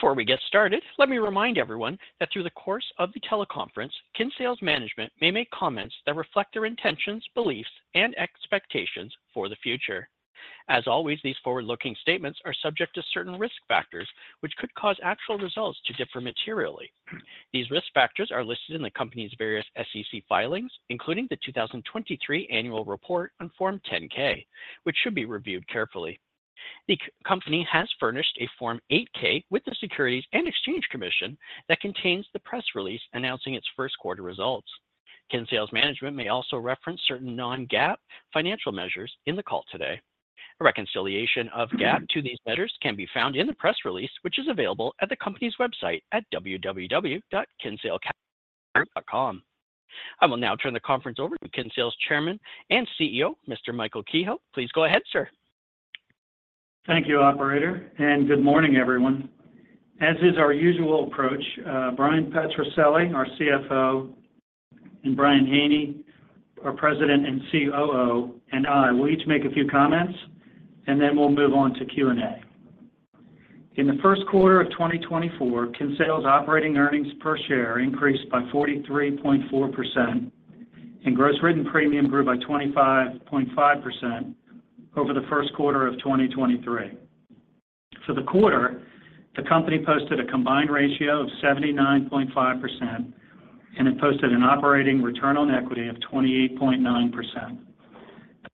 Before we get started, let me remind everyone that through the course of the teleconference, Kinsale's management may make comments that reflect their intentions, beliefs, and expectations for the future. As always, these forward-looking statements are subject to certain risk factors, which could cause actual results to differ materially. These risk factors are listed in the company's various SEC filings, including the 2023 annual report on Form 10-K, which should be reviewed carefully. The company has furnished a Form 8-K with the Securities and Exchange Commission that contains the press release announcing its first quarter results. Kinsale's management may also reference certain non-GAAP financial measures in the call today. A reconciliation of GAAP to these measures can be found in the press release, which is available at the company's website at www.kinsalecap.com. I will now turn the conference over to Kinsale's Chairman and CEO, Mr. Michael Kehoe. Please go ahead, Sir. Thank you, Operator, and good morning, everyone. As is our usual approach, Bryan Petrucelli, our CFO, and Brian Haney, our President and COO, and I will each make a few comments, and then we'll move on to Q&A. In the first quarter of 2024, Kinsale's operating earnings per share increased by 43.4%, and gross written premium grew by 25.5% over the first quarter of 2023. For the quarter, the company posted a combined ratio of 79.5%, and it posted an operating return on equity of 28.9%.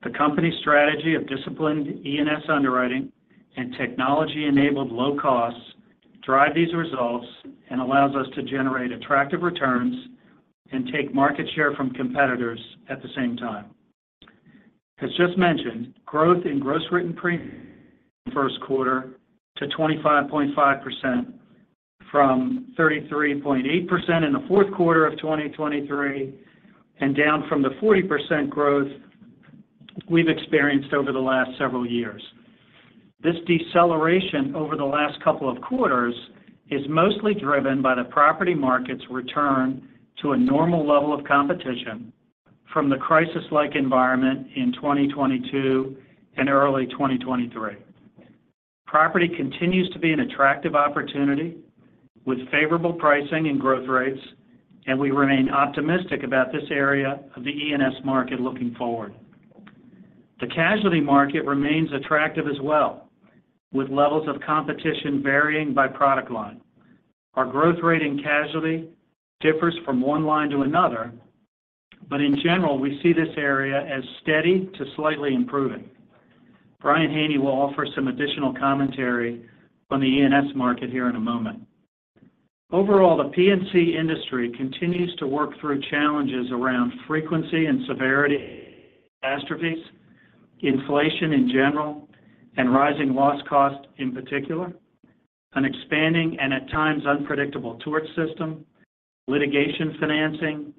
The company's strategy of disciplined E&S underwriting and technology-enabled low costs drive these results and allows us to generate attractive returns and take market share from competitors at the same time. As just mentioned, growth in gross written premium in the first quarter to 25.5% from 33.8% in the fourth quarter of 2023, and down from the 40% growth we've experienced over the last several years. This deceleration over the last couple of quarters is mostly driven by the property market's return to a normal level of competition from the crisis-like environment in 2022 and early 2023. Property continues to be an attractive opportunity with favorable pricing and growth rates, and we remain optimistic about this area of the E&S market looking forward. The casualty market remains attractive as well, with levels of competition varying by product line. Our growth rate in casualty differs from one line to another, but in general, we see this area as steady to slightly improving. Brian Haney will offer some additional commentary on the E&S market here in a moment. Overall, the P&C industry continues to work through challenges around frequency and severity, catastrophes, inflation in general, and rising loss costs, in particular, an expanding and at times unpredictable tort system, litigation financing,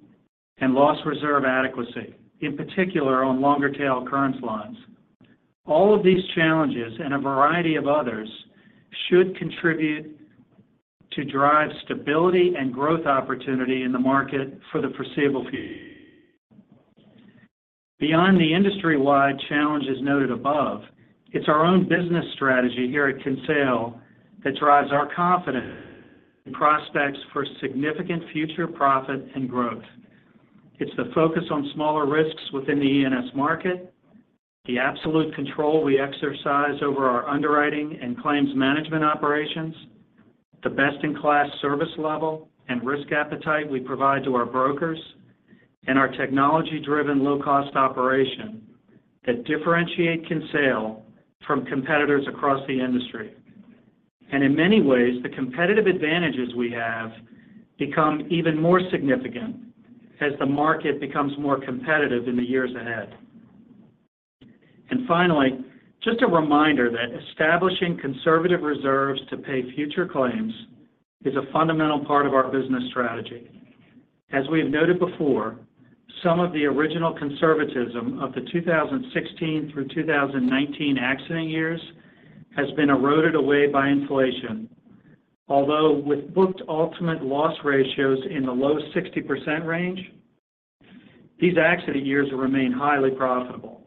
and loss reserve adequacy, in particular, on longer tail current lines. All of these challenges, and a variety of others, should contribute to drive stability and growth opportunity in the market for the foreseeable future. Beyond the industry-wide challenges noted above, it's our own business strategy here at Kinsale that drives our confident prospects for significant future profit and growth. It's the focus on smaller risks within the E&S market, the absolute control we exercise over our underwriting and claims management operations, the best-in-class service level and risk appetite we provide to our brokers, and our technology-driven, low-cost operation that differentiate Kinsale from competitors across the industry. And in many ways, the competitive advantages we have become even more significant as the market becomes more competitive in the years ahead. And finally, just a reminder that establishing conservative reserves to pay future claims is a fundamental part of our business strategy. As we have noted before, some of the original conservatism of the 2016-2019 accident years has been eroded away by inflation. Although with booked ultimate loss ratios in the low 60% range, these accident years remain highly profitable.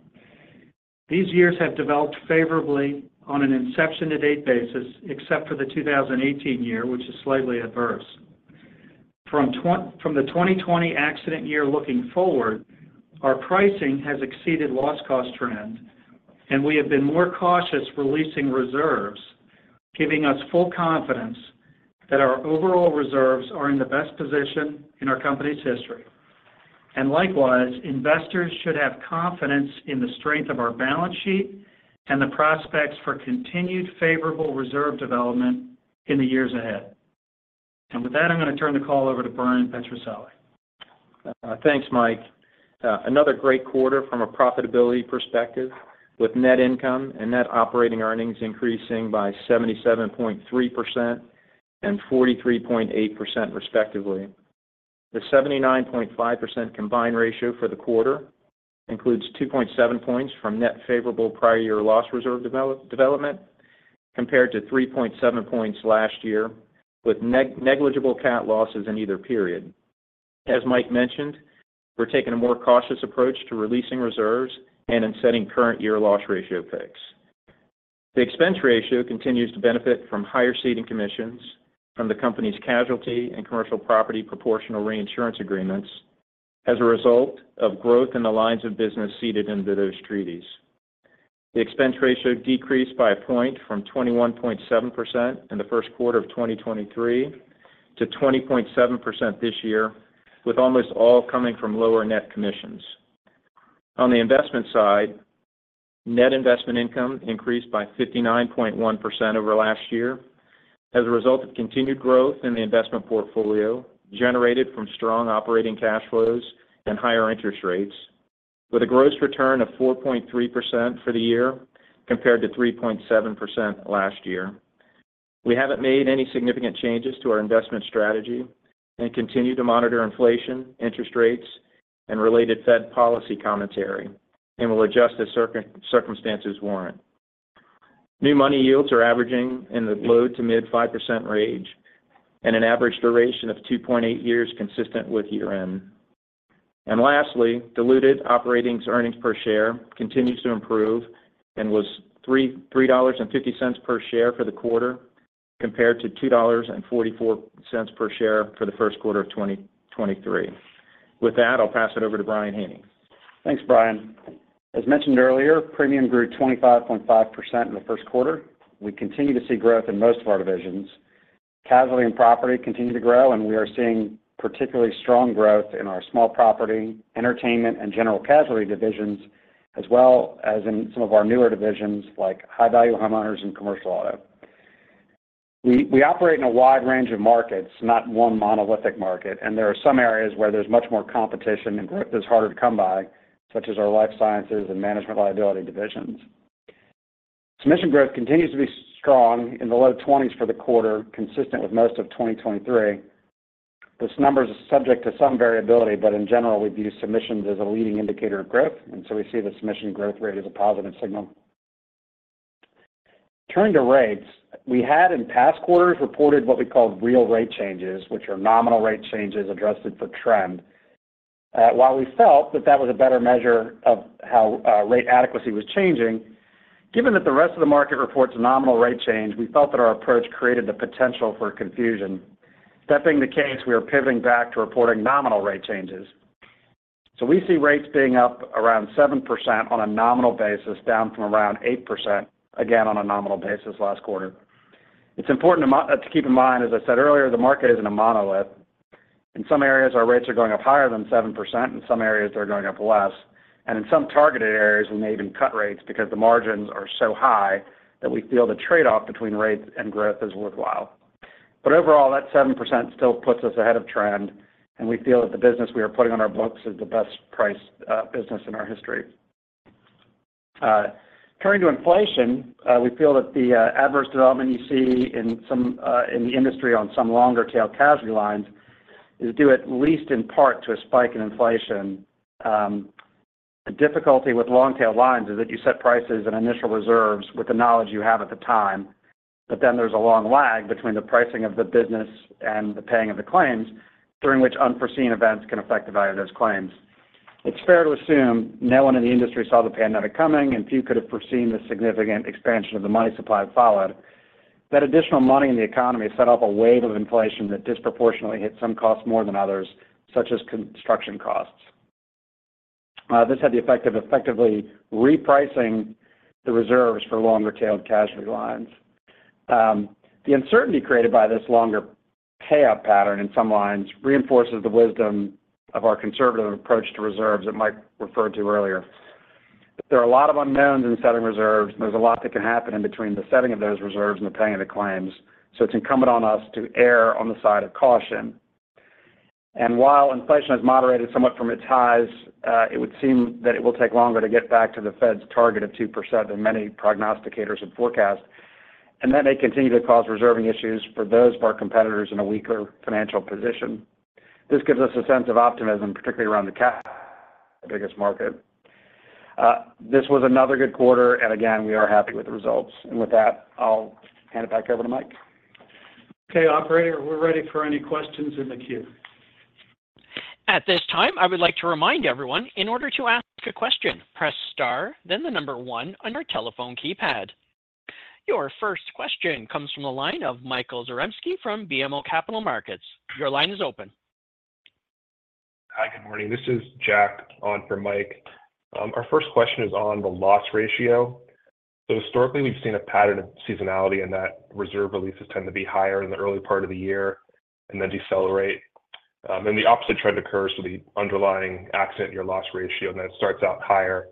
These years have developed favorably on an inception-to-date basis, except for the 2018 year, which is slightly adverse. From the 2020 accident year looking forward, our pricing has exceeded loss cost trend, and we have been more cautious releasing reserves, giving us full confidence that our overall reserves are in the best position in our company's history. And likewise, investors should have confidence in the strength of our balance sheet and the prospects for continued favorable reserve development in the years ahead. And with that, I'm going to turn the call over to Bryan Petrucelli. Thanks, Mike. Another great quarter from a profitability perspective, with net income and net operating earnings increasing by 77.3% and 43.8%, respectively. The 79.5% combined ratio for the quarter includes 2.7 points from net favorable prior year loss reserve development, compared to 3.7 points last year, with negligible cat losses in either period. As Mike mentioned, we're taking a more cautious approach to releasing reserves and in setting current year loss ratio picks. The expense ratio continues to benefit from higher ceding commissions from the company's casualty and commercial property proportional reinsurance agreements as a result of growth in the lines of business ceded into those treaties. The expense ratio decreased by a point from 21.7% in the first quarter of 2023, to 20.7% this year, with almost all coming from lower net commissions. On the investment side, net investment income increased by 59.1% over last year as a result of continued growth in the investment portfolio, generated from strong operating cash flows and higher interest rates, with a gross return of 4.3% for the year compared to 3.7% last year. We haven't made any significant changes to our investment strategy, and continue to monitor inflation, interest rates, and related Fed policy commentary, and will adjust as circumstances warrant. New money yields are averaging in the low-to-mid 5% range and an average duration of 2.8 years, consistent with year-end. Lastly, diluted operating earnings per share continues to improve and was $3.35 per share for the quarter, compared to $2.44 per share for the first quarter of 2023. With that, I'll pass it over to Brian Haney. Thanks, Brian. As mentioned earlier, premium grew 25.5% in the first quarter. We continue to see growth in most of our divisions. Casualty and property continue to grow, and we are seeing particularly strong growth in our small property, entertainment, and general casualty divisions, as well as in some of our newer divisions, like high-value homeowners and commercial auto. We operate in a wide range of markets, not one monolithic market, and there are some areas where there's much more competition and growth is harder to come by, such as our life sciences and management liability divisions. Submission growth continues to be strong, in the low 20s for the quarter, consistent with most of 2023. This number is subject to some variability, but in general, we view submissions as a leading indicator of growth, and so we see the submission growth rate as a positive signal. Turning to rates, we had in past quarters reported what we call real rate changes, which are nominal rate changes adjusted for trend. While we felt that that was a better measure of how rate adequacy was changing, given that the rest of the market reports nominal rate change, we felt that our approach created the potential for confusion. That being the case, we are pivoting back to reporting nominal rate changes. So we see rates being up around 7% on a nominal basis, down from around 8%, again, on a nominal basis last quarter. It's important to keep in mind, as I said earlier, the market isn't a monolith. In some areas, our rates are going up higher than 7%, in some areas they're going up less, and in some targeted areas, we may even cut rates because the margins are so high that we feel the trade-off between rates and growth is worthwhile. But overall, that 7% still puts us ahead of trend, and we feel that the business we are putting on our books is the best priced business in our history. Turning to inflation, we feel that the adverse development you see in some in the industry on some longer tail casualty lines is due, at least in part, to a spike in inflation. A difficulty with long-tail lines is that you set prices and initial reserves with the knowledge you have at the time, but then there's a long lag between the pricing of the business and the paying of the claims, during which unforeseen events can affect the value of those claims. It's fair to assume no one in the industry saw the pandemic coming, and few could have foreseen the significant expansion of the money supply that followed. That additional money in the economy set off a wave of inflation that disproportionately hit some costs more than others, such as construction costs. This had the effect of effectively repricing the reserves for longer-tailed casualty lines. The uncertainty created by this longer payout pattern in some lines reinforces the wisdom of our conservative approach to reserves that Mike referred to earlier. There are a lot of unknowns in setting reserves, and there's a lot that can happen in between the setting of those reserves and the paying of the claims, so it's incumbent on us to err on the side of caution. While inflation has moderated somewhat from its highs, it would seem that it will take longer to get back to the Fed's target of 2% than many prognosticators have forecast, and that may continue to cause reserving issues for those of our competitors in a weaker financial position. This gives us a sense of optimism, particularly around the biggest market. This was another good quarter, and again, we are happy with the results. With that, I'll hand it back over to Mike. Okay, Operator, we're ready for any questions in the queue. At this time, I would like to remind everyone, in order to ask a question, press star, then the number one on your telephone keypad. Your first question comes from the line of Michael Zaremski from BMO Capital Markets. Your line is open. Hi, good morning. This is Jack on for Mike. Our first question is on the loss ratio. So historically, we've seen a pattern of seasonality, and that reserve releases tend to be higher in the early part of the year and then decelerate. And the opposite trend occurs to the underlying accident year loss ratio, and that starts out higher,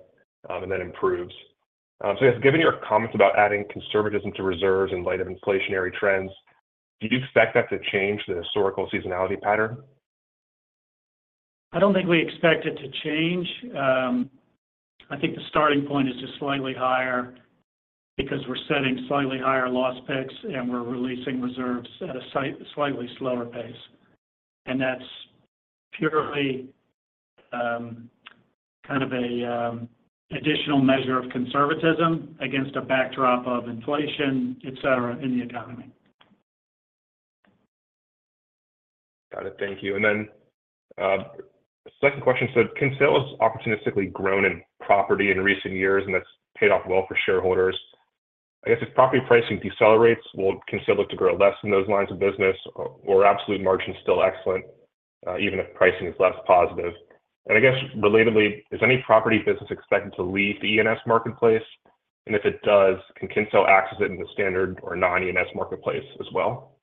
and then improves. So yes, given your comments about adding conservatism to reserves in light of inflationary trends, do you expect that to change the historical seasonality pattern? I don't think we expect it to change. I think the starting point is just slightly higher because we're setting slightly higher loss picks, and we're releasing reserves at a slightly slower pace. And that's purely kind of an additional measure of conservatism against a backdrop of inflation, et cetera, in the economy. Got it. Thank you. And then, second question, So Kinsale has opportunistically grown in property in recent years, and that's paid off well for shareholders. I guess if property pricing decelerates, will Kinsale look to grow less in those lines of business or are absolute margins still excellent, even if pricing is less positive? And I guess, relatedly, is any property business expected to leave the E&S marketplace? And if it does, can Kinsale access it in the standard or non-E&S marketplace as well?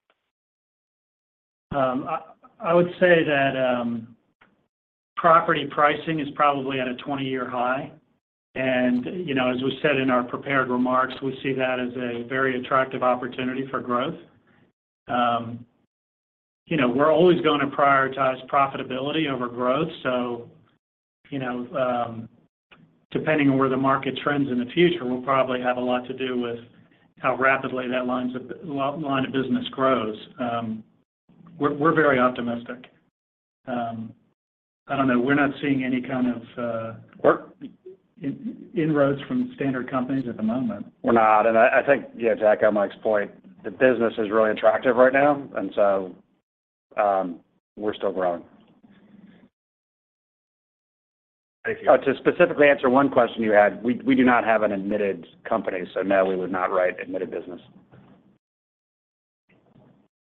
I would say that property pricing is probably at a 20-year high. And, you know, as we said in our prepared remarks, we see that as a very attractive opportunity for growth. You know, we're always going to prioritize profitability over growth. So, you know, depending on where the market trends in the future, will probably have a lot to do with how rapidly that line of business grows. We're very optimistic. I don't know. We're not seeing any kind of- We're- inroads from standard companies at the moment. We're not, and I think, yeah, to echo Mike's point, the business is really attractive right now, and so, we're still growing. Thank you. To specifically answer one question you had, we do not have an admitted company, so no, we would not write admitted business.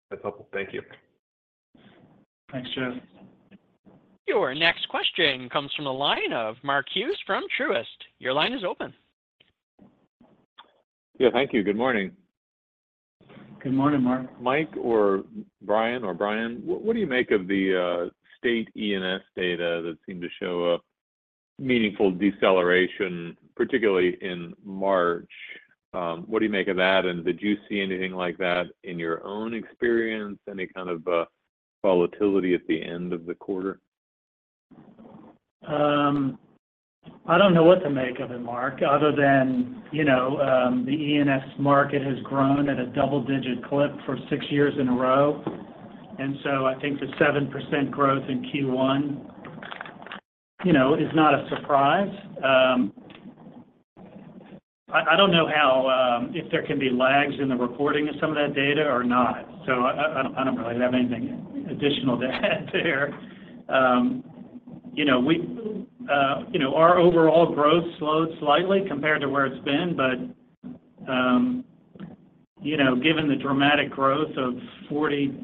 That's helpful. Thank you. Thanks, Jack. Your next question comes from the line of Mark Hughes from Truist. Your line is open. Yeah, Thank you. Good morning. Good morning, Mark. Mike or Brian or Brian, what, what do you make of the state E&S data that seemed to show a meaningful deceleration, particularly in March? What do you make of that, and did you see anything like that in your own experience? Any kind of volatility at the end of the quarter? I don't know what to make of it, Mark, other than, you know, the E&S market has grown at a double-digit clip for six years in a row, and so I think the 7% growth in Q1, you know, is not a surprise. I don't know how if there can be lags in the reporting of some of that data or not, so I don't really have anything additional to add there. You know, our overall growth slowed slightly compared to where it's been, but, you know, given the dramatic growth of 40%,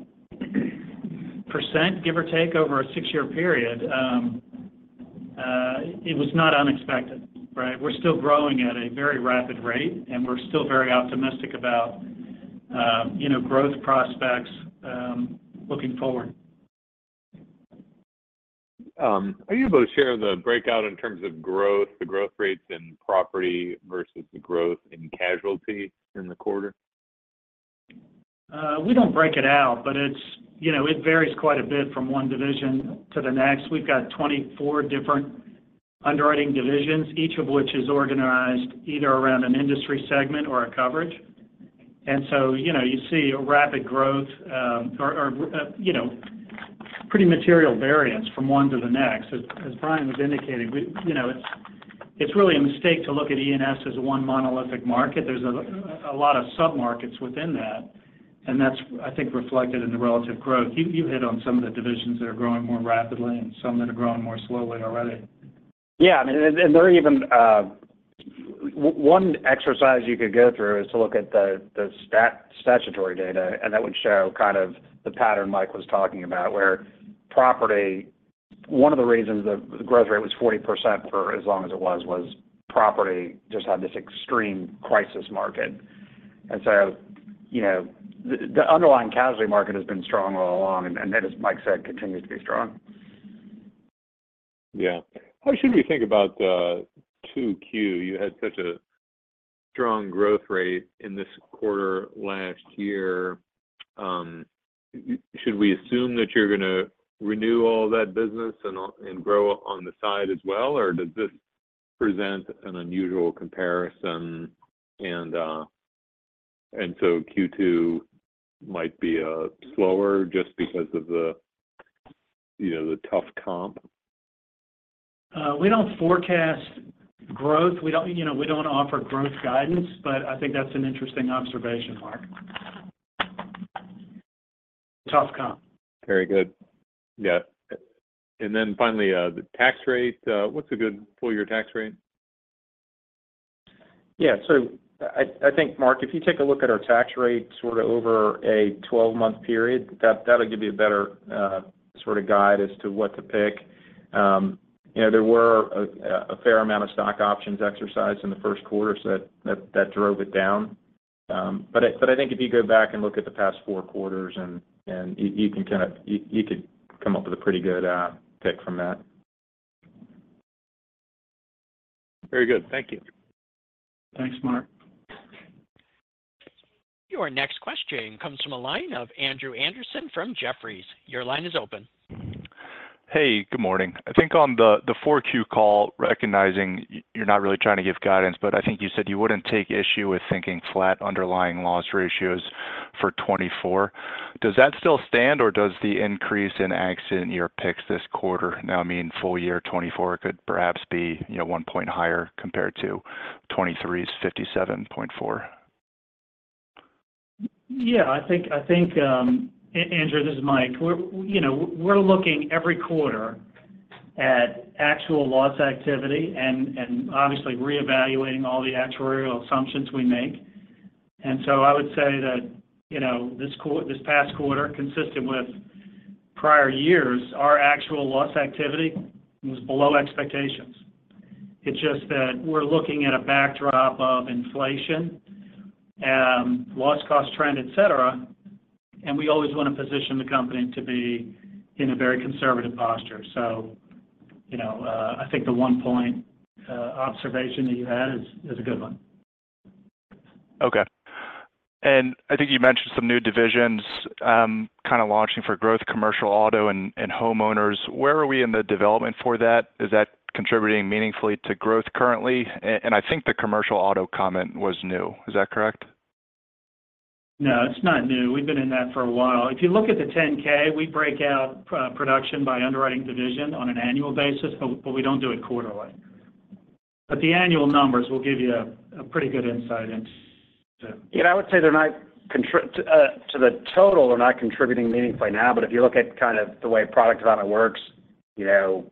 give or take, over a six-year period, it was not unexpected, right? We're still growing at a very rapid rate, and we're still very optimistic about, you know, growth prospects, looking forward. Are you able to share the breakout in terms of growth, the growth rates in property versus the growth in casualty in the quarter? We don't break it out, but it's, you know, it varies quite a bit from one division to the next. We've got 24 different underwriting divisions, each of which is organized either around an industry segment or a coverage. And so, you know, you see rapid growth or you know, pretty material variance from one to the next. As Brian was indicating, we, you know, it's really a mistake to look at E&S as one monolithic market. There's a lot of submarkets within that, and that's, I think, reflected in the relative growth. You hit on some of the divisions that are growing more rapidly and some that are growing more slowly already. Yeah, I mean, and there are even one exercise you could go through is to look at the statutory data, and that would show kind of the pattern Mike was talking about, where property. One of the reasons the growth rate was 40% for as long as it was, was property just had this extreme crisis market. And so, you know, the underlying casualty market has been strong all along, and that, as Mike said, continues to be strong. Yeah. How should we think about 2Q? You had such a strong growth rate in this quarter last year. Should we assume that you're going to renew all that business and, and grow on the side as well? Or does this present an unusual comparison, and, and so Q2 might be slower just because of the, you know, the tough comp? We don't forecast growth. We don't, you know, we don't offer growth guidance, but I think that's an interesting observation, Mark. Tough comp. Very good. Yeah. And then finally, the tax rate, what's a good full year tax rate? Yeah. So I think, Mark, if you take a look at our tax rate sort of over a 12-month period, that, that'll give you a better, sort of guide as to what to pick. You know, there were a fair amount of stock options exercised in the first quarter, so that, that drove it down. But I think if you go back and look at the past four quarters, and you can kind of... You could come up with a pretty good, pick from that. Very good. Thank you. Thanks, Mark. Your next question comes from a line of Andrew Andersen from Jefferies. Your line is open. Hey, good morning. I think on the 4Q call, recognizing you're not really trying to give guidance, but I think you said you wouldn't take issue with thinking flat underlying loss ratios for 2024. Does that still stand, or does the increase in accident year picks this quarter now mean full year 2024 could perhaps be, you know, one point higher compared to 2023's 57.4? Yeah, I think, Andrew, this is Mike. We're, you know, we're looking every quarter at actual loss activity and, and obviously reevaluating all the actuarial assumptions we make. And so I would say that, you know, this past quarter, consistent with prior years, our actual loss activity was below expectations. It's just that we're looking at a backdrop of inflation, loss cost trend, et cetera, and we always want to position the company to be in a very conservative posture. So, you know, I think the one point observation that you had is a good one. Okay. And I think you mentioned some new divisions, kind of launching for growth, commercial auto and homeowners. Where are we in the development for that? Is that contributing meaningfully to growth currently? And I think the commercial auto comment was new. Is that correct? No, it's not new. We've been in that for a while. If you look at the 10-K, we break out premium production by underwriting division on an annual basis, but we don't do it quarterly. But the annual numbers will give you a pretty good insight into- Yeah, I would say they're not contributing meaningfully now, but if you look at kind of the way product development works, you know,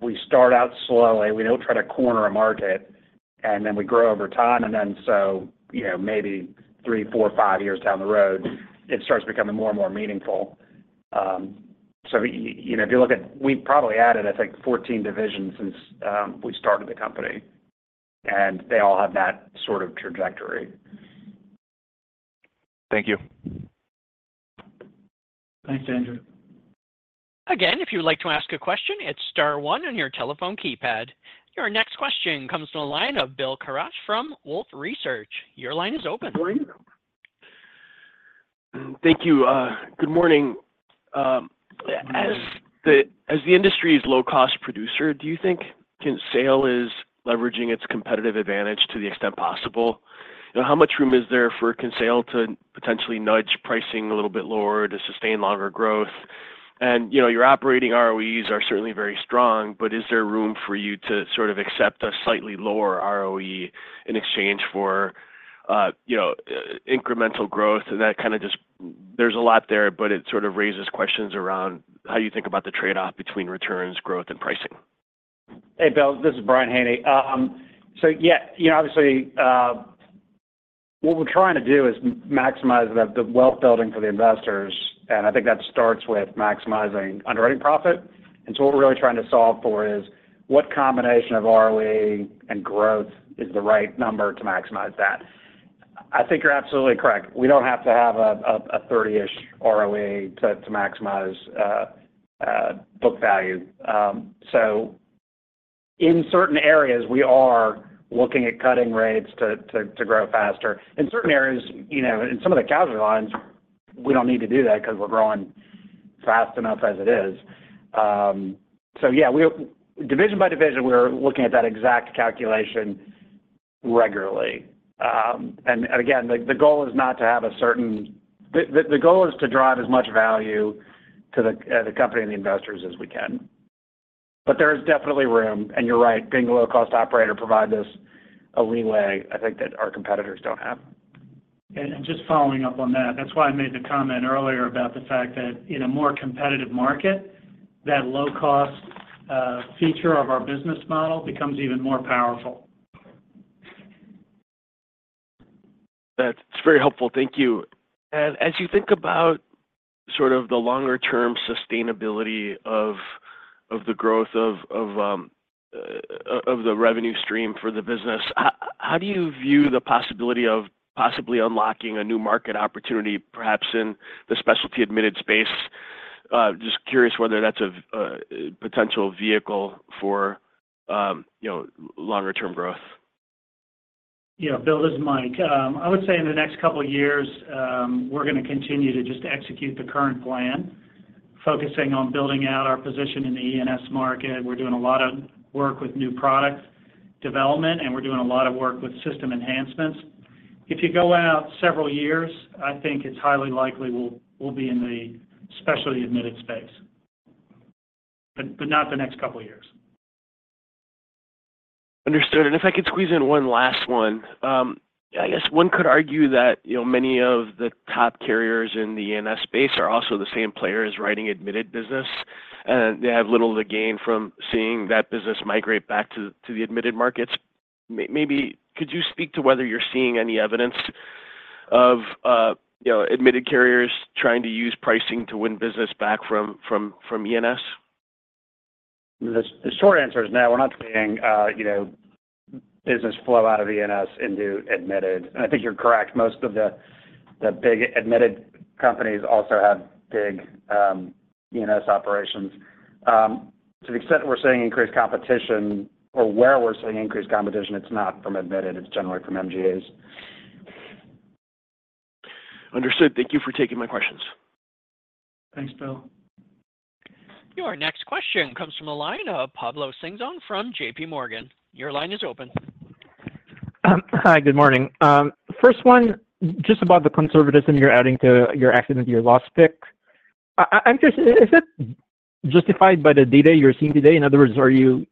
we start out slowly. We don't try to corner a market, and then we grow over time, and then, so, you know, maybe three, four, five years down the road, it starts becoming more and more meaningful. So you know, if you look at. We've probably added, I think, 14 divisions since we started the company, and they all have that sort of trajectory. Thank you. Thanks, Andrew. Again, if you would like to ask a question, it's star one on your telephone keypad. Your next question comes from the line of Bill Carcache from Wolfe Research. Your line is open. Good morning. Thank you. Good morning. As the industry's low-cost producer, do you think Kinsale is leveraging its competitive advantage to the extent possible? You know, how much room is there for Kinsale to potentially nudge pricing a little bit lower to sustain longer growth? And, you know, your operating ROEs are certainly very strong, but is there room for you to sort of accept a slightly lower ROE in exchange for, you know, incremental growth? And that kind of just—there's a lot there, but it sort of raises questions around how you think about the trade-off between returns, growth, and pricing. Hey, Bill, this is Brian Haney. So yeah, you know, obviously, what we're trying to do is maximize the wealth building for the investors, and I think that starts with maximizing underwriting profit. And so what we're really trying to solve for is, what combination of ROE and growth is the right number to maximize that? I think you're absolutely correct. We don't have to have a 30-ish ROE to maximize book value. So in certain areas, we are looking at cutting rates to grow faster. In certain areas, you know, in some of the casualty lines, we don't need to do that 'cause we're growing fast enough as it is. So yeah, we, division by division, we're looking at that exact calculation regularly. And again, the goal is to drive as much value to the company and the investors as we can. But there is definitely room, and you're right, being a low-cost operator provide us a leeway, I think, that our competitors don't have. And just following up on that, that's why I made the comment earlier about the fact that in a more competitive market, that low cost feature of our business model becomes even more powerful. That's very helpful. Thank you. As you think about sort of the longer-term sustainability of the growth of the revenue stream for the business, how do you view the possibility of possibly unlocking a new market opportunity, perhaps in the specialty admitted space? Just curious whether that's a potential vehicle for you know, longer-term growth. Yeah. Bill, this is Mike. I would say in the next couple of years, we're going to continue to just execute the current plan, focusing on building out our position in the E&S market. We're doing a lot of work with new product development, and we're doing a lot of work with system enhancements. If you go out several years, I think it's highly likely we'll, we'll be in the specialty admitted space, but, but not the next couple of years. Understood. And if I could squeeze in one last one. I guess one could argue that, you know, many of the top carriers in the E&S space are also the same players writing admitted business, and they have little to gain from seeing that business migrate back to the admitted markets. Maybe could you speak to whether you're seeing any evidence of, you know, admitted carriers trying to use pricing to win business back from E&S? The short answer is no, we're not seeing, you know, business flow out of E&S into admitted. I think you're correct. Most of the big admitted companies also have big E&S operations. To the extent that we're seeing increased competition or where we're seeing increased competition, it's not from admitted, it's generally from MGAs. Understood. Thank you for taking my questions. Thanks, Bill. Your next question comes from the line of Pablo Singzon from JPMorgan. Your line is open. Hi, good morning. First one, just about the conservatism you're adding to your accident year loss pick. I'm curious, is it justified by the data you're seeing today? In other words, are you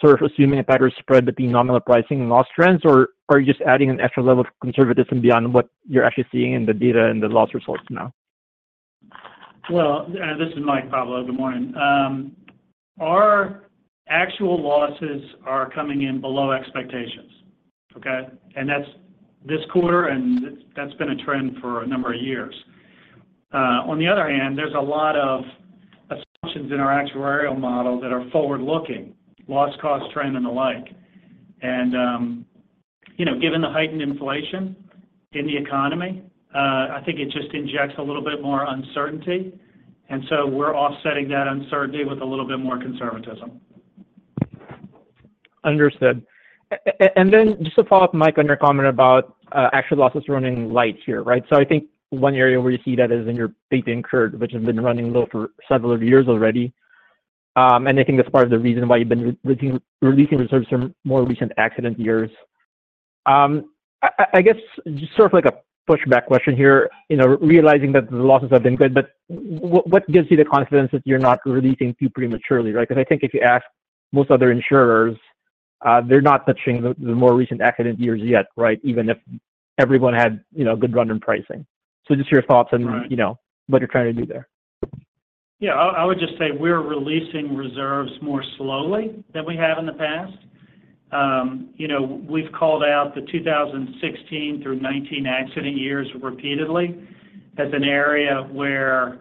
sort of assuming a tighter spread between nominal pricing and loss trends, or are you just adding an extra level of conservatism beyond what you're actually seeing in the data and the loss results now? Well, this is Mike, Pablo. Good morning. Our actual losses are coming in below expectations, okay? And that's this quarter, and that's been a trend for a number of years. On the other hand, there's a lot of assumptions in our actuarial model that are forward-looking, loss, cost, trend, and the like. And, you know, given the heightened inflation in the economy, I think it just injects a little bit more uncertainty, and so we're offsetting that uncertainty with a little bit more conservatism. Understood. And then just to follow up, Mike, on your comment about actual losses running light here, right? So I think one area where you see that is in your paid and incurred, which has been running low for several years already. And I think that's part of the reason why you've been re-releasing reserves from more recent accident years. I guess just sort of like a pushback question here, you know, realizing that the losses have been good, but what gives you the confidence that you're not releasing too prematurely, right? Because I think if you ask most other insurers, they're not touching the more recent accident years yet, right? Even if everyone had, you know, good run in pricing. So just your thoughts on- Right. You know what you're trying to do there. Yeah. I would just say we're releasing reserves more slowly than we have in the past. You know, we've called out the 2016 through 2019 accident years repeatedly as an area where,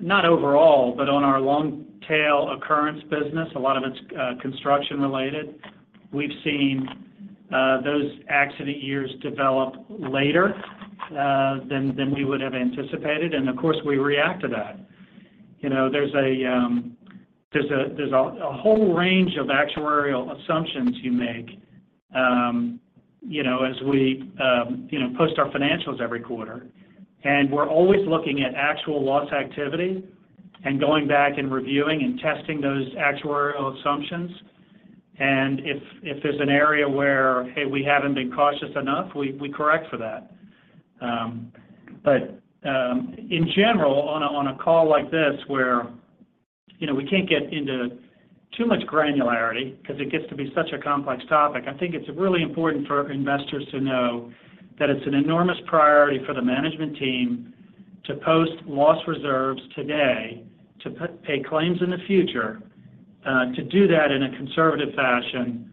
not overall, but on our long tail occurrence business, a lot of it's construction related. We've seen those accident years develop later than we would have anticipated, and of course, we react to that. You know, there's a whole range of actuarial assumptions you make, you know, as we post our financials every quarter. And we're always looking at actual loss activity and going back and reviewing and testing those actuarial assumptions. And if there's an area where, hey, we haven't been cautious enough, we correct for that. But, in general, on a call like this, where, you know, we can't get into too much granularity 'cause it gets to be such a complex topic, I think it's really important for investors to know that it's an enormous priority for the management team to post loss reserves today, to pay claims in the future, to do that in a conservative fashion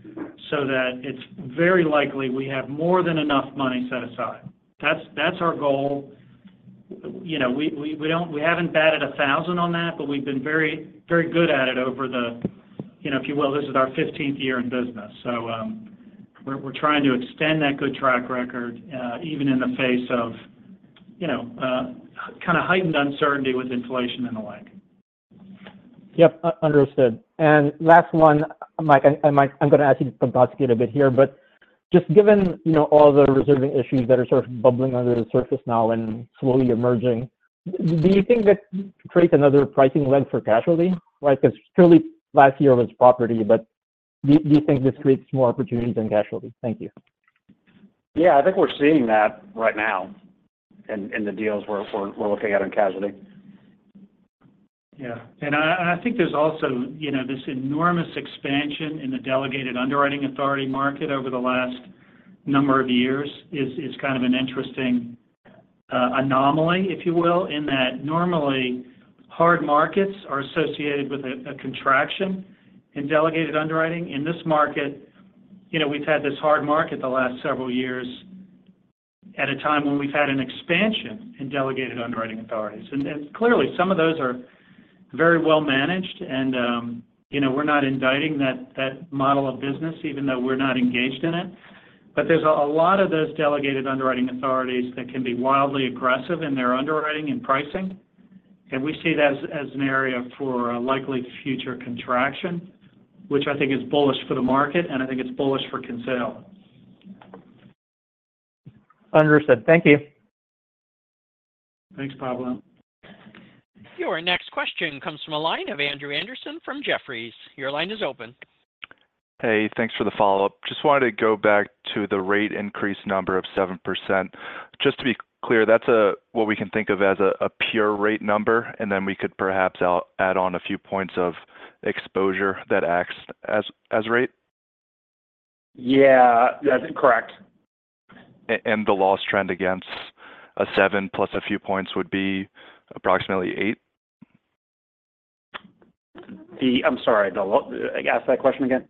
so that it's very likely we have more than enough money set aside. That's our goal. You know, we haven't batted a thousand on that, but we've been very, very good at it over the, you know, if you will, this is our fifteenth year in business. So, we're trying to extend that good track record, even in the face of, you know, kind of heightened uncertainty with inflation and the like. Yep, understood. And last one, Mike, I might... I'm gonna ask you to think a bit here, but just given, you know, all the reserving issues that are sort of bubbling under the surface now and slowly emerging, do you think that creates another pricing lens for casualty, right? Because clearly last year was property, but do you think this creates more opportunities in casualty? Thank you. Yeah, I think we're seeing that right now in the deals we're looking at in casualty. Yeah, and I think there's also, you know, this enormous expansion in the delegated underwriting authority market over the last number of years is kind of an interesting anomaly, if you will, in that normally, hard markets are associated with a contraction in delegated underwriting. In this market, you know, we've had this hard market the last several years at a time when we've had an expansion in delegated underwriting authorities. And clearly, some of those are very well managed, and you know, we're not indicting that model of business, even though we're not engaged in it. But there's a lot of those delegated underwriting authorities that can be wildly aggressive in their underwriting and pricing, and we see it as an area for likely future contraction, which I think is bullish for the market, and I think it's bullish for Kinsale. Understood. Thank you. Thanks, Pablo. Your next question comes from a line of Andrew Andersen from Jefferies. Your line is open. Hey, thanks for the follow-up. Just wanted to go back to the rate increase number of 7%. Just to be clear, that's what we can think of as a pure rate number, and then we could perhaps add on a few points of exposure that acts as rate? Yeah, that's correct. And the loss trend against a 7 plus a few points would be approximately 8? I'm sorry. Ask that question again.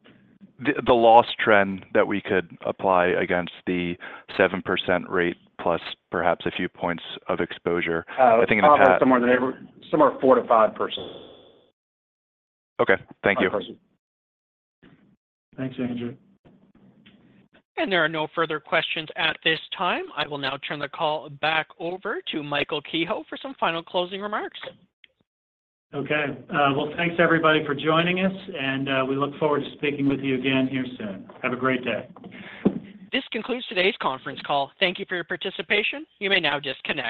The loss trend that we could apply against the 7% rate plus perhaps a few points of exposure. I think in the past- Somewhere in the neighborhood, 4%-5%. Okay, thank you. 5%. Thanks, Andrew. And there are no further questions at this time. I will now turn the call back over to Michael Kehoe for some final closing remarks. Okay. Well, thanks everybody for joining us, and we look forward to speaking with you again here soon. Have a great day. This concludes today's conference call. Thank you for your participation. You may now disconnect.